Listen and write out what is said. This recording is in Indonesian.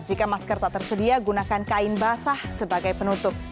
jika masker tak tersedia gunakan kain basah sebagai penutup